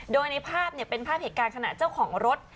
โดยในภาพเป็นภาพเหตุการณ์ขณะเจ้าของรถ